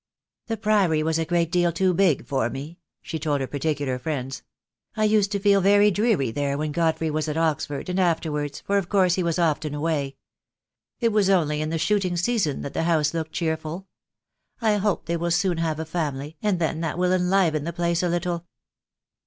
"The Priory was a great deal too big for me," she told her particular friends. "I used to feel very dreary there when Godfrey was at Oxford, and afterwards, for of course he was often away. It was only in the shooting season that the house looked cheerful. I hope they will soon have a family, and then that mil enliven the place a little."